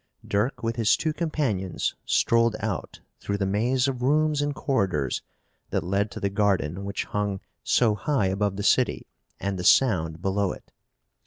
Dirk, with his two companions, strolled out through the maze of rooms and corridors that led to the garden which hung so high above the city and the Sound below it.